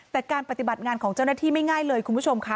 แต่การปฏิบัติงานของเจ้าหน้าที่ไม่ง่ายเลยคุณผู้ชมค่ะ